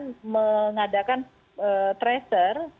dan kita juga mengadakan tracer